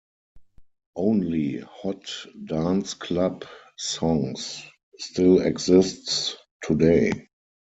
Only "Hot Dance Club Songs" still exists today.